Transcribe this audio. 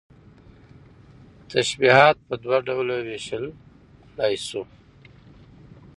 تشبيهات په دوه ډوله ويشلى شو